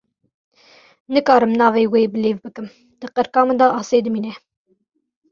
Nikarim navê wê bilêv bikim, di qirika min de asê dimîne.